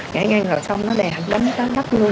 ngã ngang rồi xong nó đè đánh đánh đánh đánh luôn